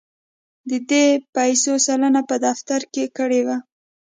د دې پیسو سلنه په دفتر مصرف کړې وې.